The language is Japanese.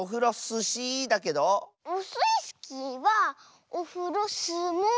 オスイスキーはオフロスモウー。